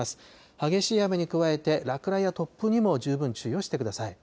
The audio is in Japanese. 激しい雨に加えて、落雷や突風にも十分注意をしてください。